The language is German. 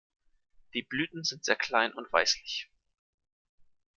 Die Blüten sind sehr klein und weißlich.